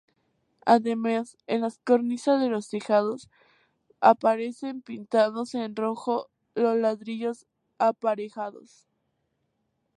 Además, en las cornisas de los tejados aparecen pintados, en rojo, los ladrillos aparejados.